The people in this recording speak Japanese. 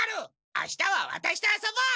あしたはワタシと遊ぼう！